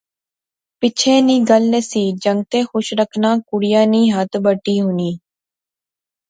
پچھے نی گل نہسی، جنگتے خوش رکھنا کڑیا نی ہتھ بٹی ہونی